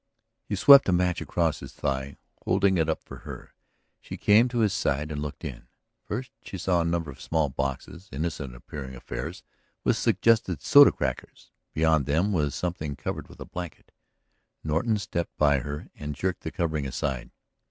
He swept a match across his thigh, holding it up for her. She came to his side and looked in. First she saw a number of small boxes, innocent appearing affairs which suggested soda crackers. Beyond them was something covered with a blanket; Norton stepped by her and jerked the covering aside.